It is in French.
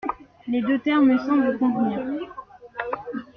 Les deux termes me semblent convenir.